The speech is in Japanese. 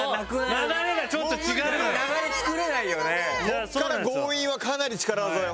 ここから強引はかなり力技よ。